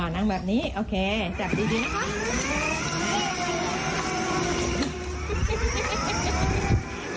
อ๋อนั่งแบบนี้โอเคจับดีนะ